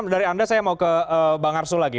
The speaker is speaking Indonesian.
dari anda saya mau ke bang arsul lagi